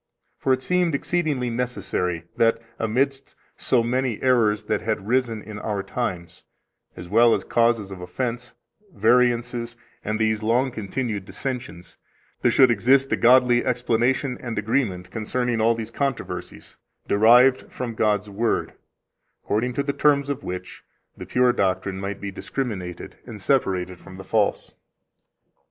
For it seemed exceedingly necessary that, amidst so many errors that had arisen in our times, as well as causes of offense, variances, and these long continued dissensions, there should exist a godly explanation and agreement concerning all these controversies, derived from God's Word, according to the terms of which the pure doctrine might be discriminated and separated from the false.